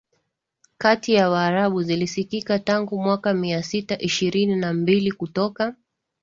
kati ya Waarabu zilisikika tangu mwaka Mia sita ishirini na mbili kutoka